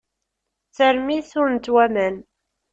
D tarmit ur nettwaman.